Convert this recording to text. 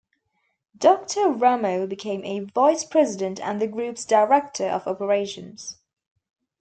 Doctor Ramo became a Vice-President and the Group's Director of Operations.